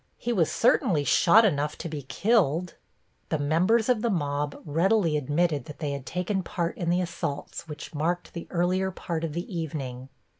He was certainly shot enough to be killed." The members of the mob readily admitted that they had taken part in the assaults which marked the earlier part of the evening.